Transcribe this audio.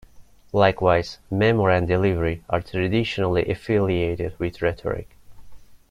Likewise, memory and delivery are traditionally affiliated with rhetoric.